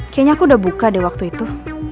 kayaknya aku udah buka deh waktu itu